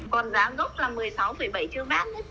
còn giá gốc là một mươi sáu bảy triệu vát đấy